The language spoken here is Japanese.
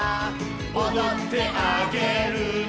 「おどってあげるね」